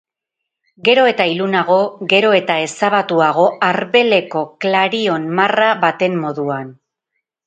Gero eta ilunago, gero eta ezabatuago, arbeleko klarion-marra baten moduan.